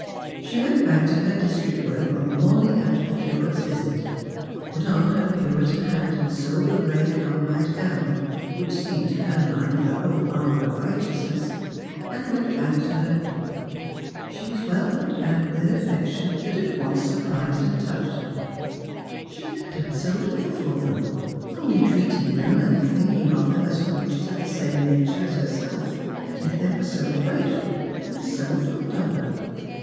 She went back to her district work on the morning after the Curate's visit ; put on her Puritan hat and sober gray carmelite gown, which seemed to her mind the whole armour of righteousness, and went back to her people. She was welcomed back with an affection that at once 78 Strangers and Pilgrima. surprised and touched her. She had done so little for them— only treating them M'd thinking of them as creatures of the same nature as herself — and yet they were so grateful, and so fond of her.